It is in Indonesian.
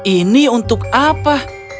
ini untuk apa